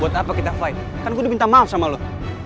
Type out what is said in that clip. buat apa kita fight kan aku udah minta maaf sama lo